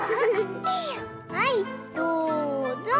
はいどうぞ！